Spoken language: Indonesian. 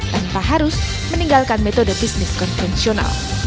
tanpa harus meninggalkan metode bisnis konvensional